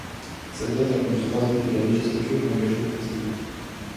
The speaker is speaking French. Cette date a conduit trois élus de la législature à engager une procédure.